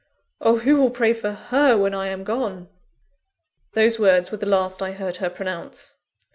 _ oh! who will pray for her when I am gone?" Those words were the last I heard her pronounce.